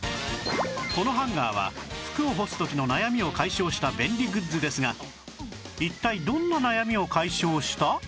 このハンガーは服を干す時の悩みを解消した便利グッズですが一体どんな悩みを解消した？